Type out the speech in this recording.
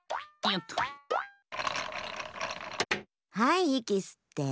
いいきすって。